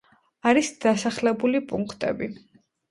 არის დასახლებული პუნქტები.